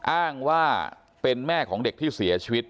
อ้างว่าเป็นแม่ของเด็กที่เสียชีวิต